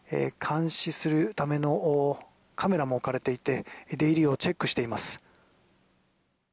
監視するためのカメラも置かれていて出入りをチェックしています。